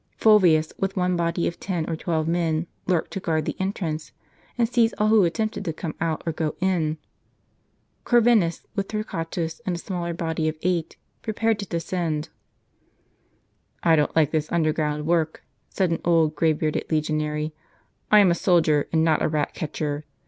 Fulvius, with one body of ten or twelve men, lurked to guard the entrance, and seize all who attempted to come out or go in. Corvinus, with Torquatus and a smaller body of eight, prejDared to descend. "I don't like this underground work," said an old, grey bearded legionary. "I am a soldier, and not a rat catcher.